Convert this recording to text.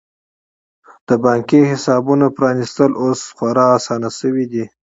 د بانکي حسابونو پرانیستل اوس خورا اسانه شوي دي.